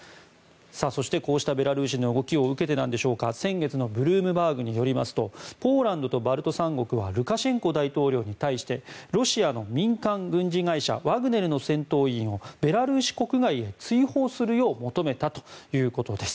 そして、こうしたベラルーシの動きを受けてなんでしょうか先月のブルームバーグによりますとポーランドとバルト三国はルカシェンコ大統領に対してロシアの民間軍事会社ワグネルの戦闘員をベラルーシ国外へ追放するよう求めたということです。